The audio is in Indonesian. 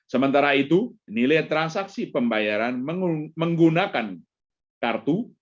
sementara itu nilai transaksi pembayaran menggunakan kartu